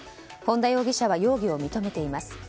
本田容疑者は容疑を認めています。